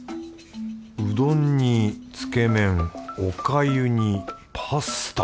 うどんにつけ麺おかゆにパスタ。